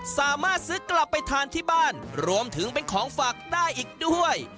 สามารถซื้อกลับไปทานที่บ้านรวมถึงเป็นของฝากได้อีกด้วย